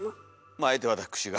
まああえて私が。